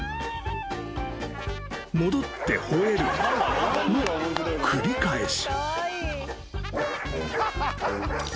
［戻って吠えるの繰り返し］